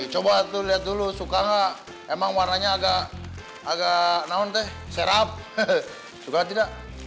coba tuh lihat dulu suka gak emang warnanya agak agak naon teh serap suka gak tidak